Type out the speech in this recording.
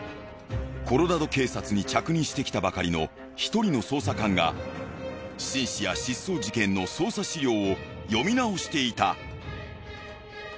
コロラド警察に着任してきたばかりの一人の捜査官がシンシア失踪事件の捜査資料を読み直していた。